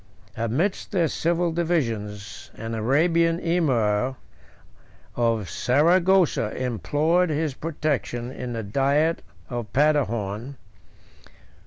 Amidst their civil divisions, an Arabian emir of Saragossa implored his protection in the diet of Paderborn.